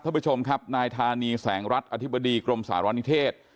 ท่านผู้ชมครับนายธานีแสงรัฐอธิบดีกรมสารณิเทศ